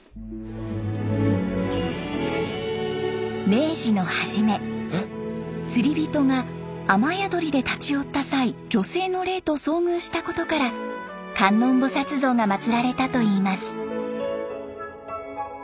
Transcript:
明治の初め釣り人が雨宿りで立ち寄った際女性の霊と遭遇したことから観音菩薩像がまつられたといいます。